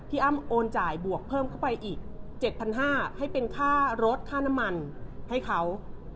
อ้ำโอนจ่ายบวกเพิ่มเข้าไปอีก๗๕๐๐บาทให้เป็นค่ารถค่าน้ำมันให้เขา